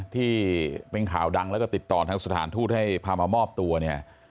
ที่เป็นข่าวดังแล้วก็ติดต่อทางสถานทูตให้พามามอบตัวเนี่ย